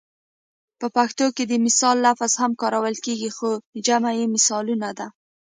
په پښتو کې د مثال لفظ هم کارول کیږي خو جمع یې مثالونه ده